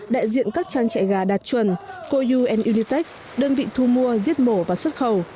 đại diện các trang trại gà đạt chuẩn koyu unitec đơn vị thu mua giết mổ và xuất khẩu